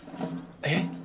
えっ？